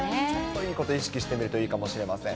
いいこと意識してみると、いいかもしれません。